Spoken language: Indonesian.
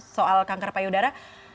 soal kanker payudara